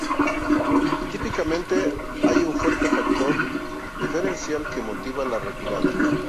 Típicamente, hay un fuerte factor diferencial que motiva la retirada.